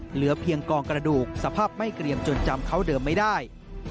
เหลือเพียงกองกระดูกสภาพไม่เกรียมจนจำเขาเดิมไม่ได้